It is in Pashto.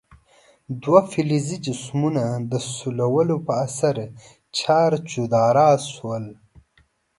دوه فلزي جسمونه د سولولو په اثر چارجداره شول.